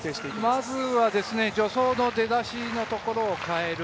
まずは助走の出だしのところを変える。